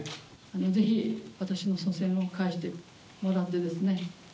ぜひ私の祖先を返してもらってですね